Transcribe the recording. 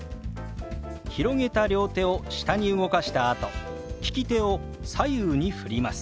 広げた両手を下に動かしたあと聞き手を左右にふります。